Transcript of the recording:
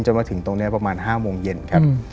มาถึงตรงนี้ประมาณ๕โมงเย็นครับ